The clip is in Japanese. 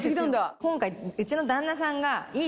今回うちの旦那さんがいい